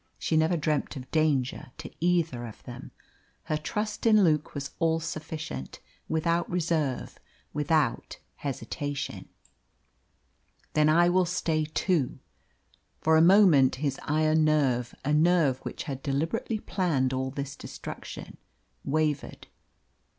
She never dreamt of danger to either of them. Her trust in Luke was all sufficient, without reserve, without hesitation. "Then I will stay too." For a moment his iron nerve a nerve which had deliberately planned all this destruction wavered.